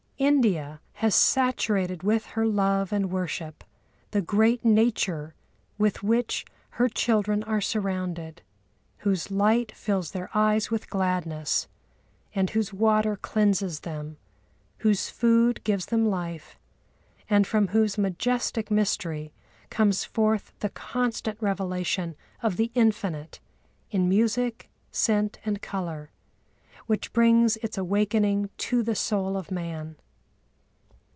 India has saturated with her love and worship the great Nature with which her children are surrounded, whose light fills their eyes with gladness, and whose water cleanses them, whose food gives them life, and from whose majestic mystery comes forth the constant revelation of the infinite in music, scent, and colour, which brings its awakening to the soul of man.